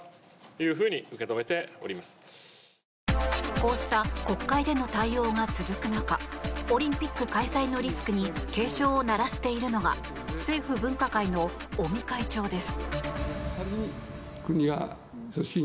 こうした国会での対応が続く中オリンピック開催のリスクに警鐘を鳴らしているのが政府分科会の尾身会長です。